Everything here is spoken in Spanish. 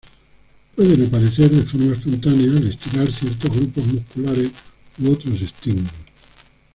Pueden aparecer de forma espontánea, al estirar ciertos grupos musculares u otros estímulos.